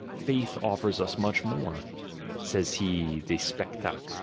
Faith offers us much more, — says he, de Spectac, c.